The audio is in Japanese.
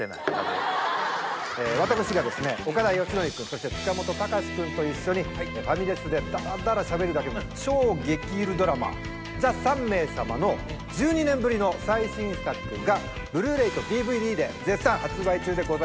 私がですね岡田義徳君そして塚本高史君と一緒にファミレスでだらだらしゃべるだけの超激緩ドラマ『ＴＨＥ３名様』の１２年ぶりの最新作がブルーレイとＤＶＤで絶賛発売中でございます。